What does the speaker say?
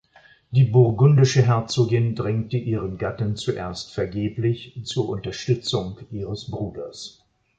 Die burgundische Herzogin drängte ihren Gatten zuerst vergeblich zur Unterstützung ihres Bruders.